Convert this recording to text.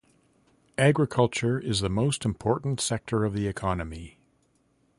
Agriculture is the most important sector of the economy.